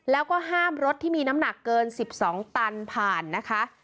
แล้วก็ห้ามรถที่มีน้ำหนักเกิน๑๒ตันผ่านนะคะ